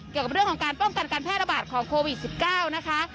เกี่ยวกับเรื่องของการป้องกันการแพร่ระบาดของโควิด๑๙นะคะ